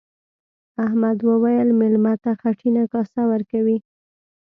احمد وويل: مېلمه ته خټینه کاسه ورکوي.